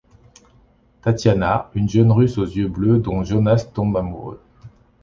Tatjana: une jeune russe aux yeux bleus dont Jonas tombe amoureux.